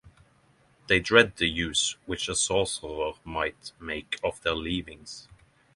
They dread the use which a sorcerer might make of their leavings.